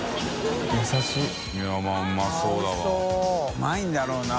うまいんだろうな。